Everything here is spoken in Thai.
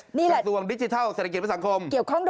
กระทรวงดิจิทัลเศรษฐกิจประสงคม